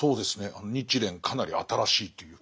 あの日蓮かなり新しいという。